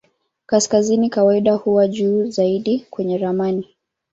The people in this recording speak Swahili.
Kaskazini kawaida huwa juu zaidi kwenye ramani.